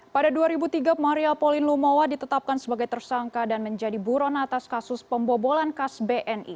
pada dua ribu tiga maria pauline lumowa ditetapkan sebagai tersangka dan menjadi buron atas kasus pembobolan kas bni